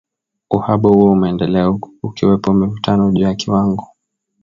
uhaba huo umeendelea huku kukiwepo mivutano juu ya kiwango